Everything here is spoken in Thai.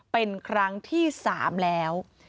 เป็นครั้งที่๓แล้ว